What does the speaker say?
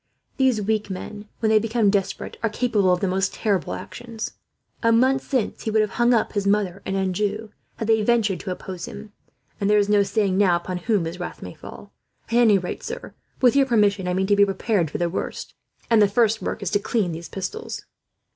These weak men, when they become desperate, are capable of the most terrible actions. A month since he would have hung up his mother and Anjou, had they ventured to oppose him; and there is no saying, now, upon whom his wrath may fall. "At any rate, sir, with your permission I mean to be prepared for the worst; and the first work is to clean these pistols."